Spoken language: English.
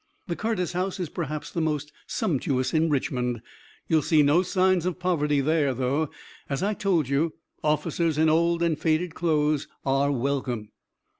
The Curtis house is perhaps the most sumptuous in Richmond. You'll see no signs of poverty there, though, as I told you, officers in old and faded clothes are welcome."